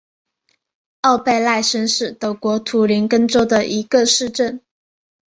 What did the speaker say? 奥贝赖森是德国图林根州的一个市镇。